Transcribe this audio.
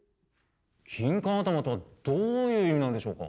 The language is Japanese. キンカン頭とはどういう意味なんでしょうか？